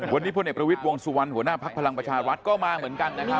วันนี้พลเอกประวิทย์วงสุวรรณหัวหน้าภักดิ์พลังประชารัฐก็มาเหมือนกันนะครับ